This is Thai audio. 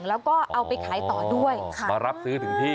แล้วก็เอาไปขายต่อด้วยมารับซื้อถึงที่